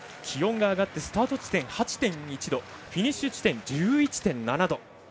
気温が上がってスタート地点８．１度フィニッシュ地点１１．７度。